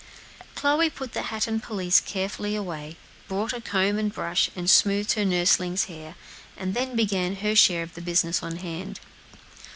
Chloe put the hat and pelisse carefully away, brought a comb and brush, and smoothed her nursling's hair, and then began her share of the business on hand.